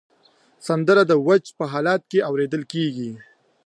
سندره د وجد په حالت کې اورېدل کېږي